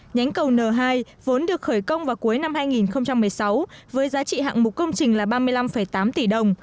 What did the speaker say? nhánh cầu n hai vốn được khởi công vào cuối năm hai nghìn một mươi sáu với giá trị hạng mục công trình là ba mươi năm tám tỷ đồng